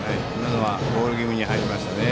ボール気味に入りましたね。